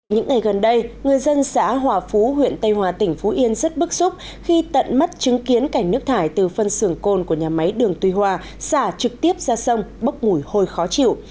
những ngày gần đây người dân xã hòa phú huyện tây hòa tỉnh phú yên rất bức xúc khi tận mắt chứng kiến cảnh nước thải từ phân xưởng côn của nhà máy đường tuy hòa xả trực tiếp ra sông bốc mùi hôi khó chịu